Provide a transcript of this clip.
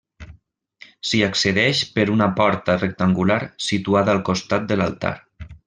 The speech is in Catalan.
S'hi accedeix per una porta rectangular situada al costat de l'altar.